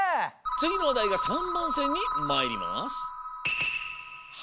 つぎのおだいが３ばんせんにまいります。